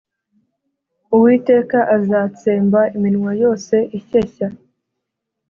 Uwiteka azatsemba iminwa yose ishyeshya